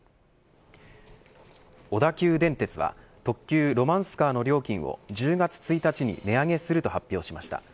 小田急電鉄は特急ロマンスカーの料金を１０月１日に値上げすると発表しました。